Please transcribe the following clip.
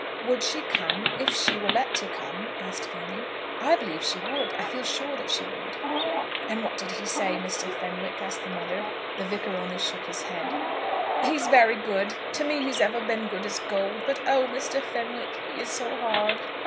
"Would she come if she were let to come?" asked Fanny. "I believe she would. I feel sure that she would." "And what did he say, Mr. Fenwick?" asked the mother. The Vicar only shook his head. "He's very good; to me he's ever been good as gold. But, oh, Mr. Fenwick, he is so hard."